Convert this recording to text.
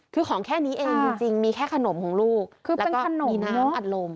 คือของแค่นี้เองจริงมีแค่ขนมของลูกคือเป็นขนมมีน้ำอัดลม